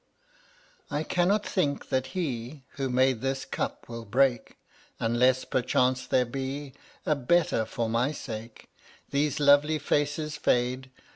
I cannot think that He Who made this cup will break, Unless, perchance, there be A better for my sake. These lovely faces fade